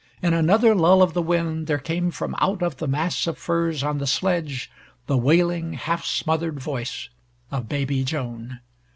In another lull of the wind there came from out of the mass of furs on the sledge the wailing, half smothered voice of baby Joan.